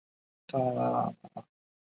现为国立台湾体育大学棒球队队员。